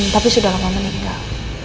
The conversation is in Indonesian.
tapi sudah lama meninggal